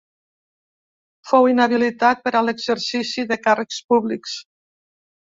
Fou inhabilitat per a l'exercici de càrrecs públics.